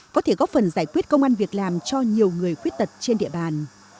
có thể góp phần giải quyết công an việc làm cho nhiều người khuyết tật trên địa bàn